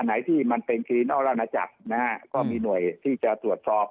อันไหนที่มันเป็นทีนอกระดับนะฮะก็มีหน่วยที่จะตรวจสอบข้อมูล